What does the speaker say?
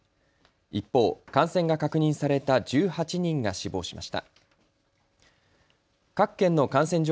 一方、感染が確認された１８人が死亡しました。